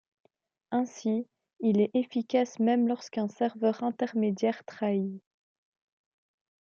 Ainsi, il est efficace même lorsqu'un serveur intermédiaire trahit.